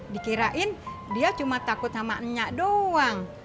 dikirain dia cuma takut sama enya doang